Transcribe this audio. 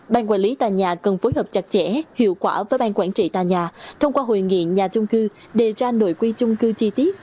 ban quản lý tòa nhà cần phối hợp chặt chẽ hiệu quả với bang quản trị tòa nhà thông qua hội nghị nhà chung cư đề ra nội quy chung cư chi tiết